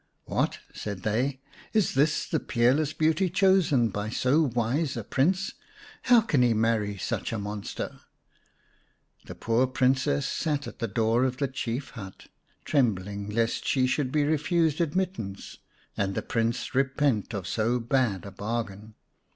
"What!" said they. " Is this the peerless beauty chosen by so wise a Prince ? How can he marry such a monster ?" The poor Princess sat at the door of the chief hut, trembling lest she should be refused admit tance, and the Prince repent of so bad a bargain.